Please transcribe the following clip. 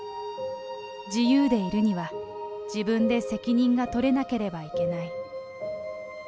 自由でいるには自分で責任が取れなければいけない。